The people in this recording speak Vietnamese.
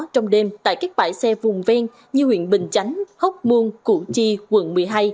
trong đêm tại các bãi xe vùng ven như huyện bình chánh hốc muôn củ chi quận một mươi hai